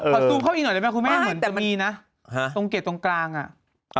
ขอซูบเข้าไปอีกหน่อยได้ไหมครับคุณแม่เหมือนจะมีนะตรงเกล็ดตรงกลางอ่ะ